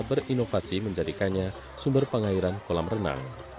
berinovasi menjadikannya sumber pengairan kolam renang